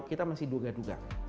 kita masih duga duga